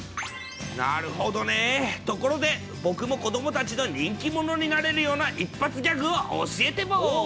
なるほどね、ところで、僕も子どもたちの人気者になれるような一発ギャグを教えてボー。